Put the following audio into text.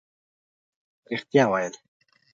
رښتیا ویل